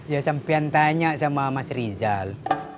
ya sampean tanya sama mas rizal